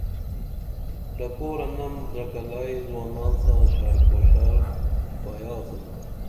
ڈکورہ نم درکلائی زُوانان ساں شارکوشار کایہ آڅِنا